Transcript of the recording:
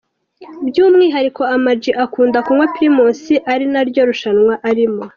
By’umwihariko, Ama G akunda kunywa Primus ari naryo rushanwa arimo .